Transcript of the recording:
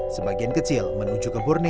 sebagian kecil menuju ke borne